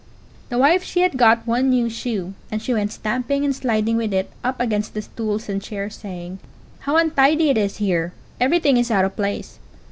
The wife she had got one new shoe, and she went stamping and sliding with it up against the stools and chairs saying, "How untidy it is here! Everything is out of place!"